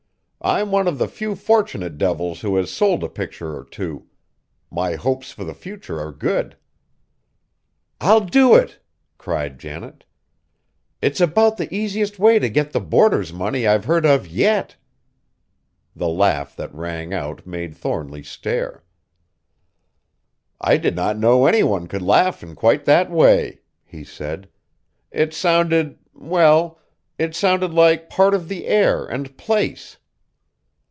"I'm one of the few fortunate devils who has sold a picture or two. My hopes for the future are good." "I'll do it!" cried Janet. "It's about the easiest way to get the boarders' money I've heard of yet!" The laugh that rang out made Thornly stare. "I did not know any one could laugh in quite that way," he said. "It sounded well, it sounded like part of the air and place.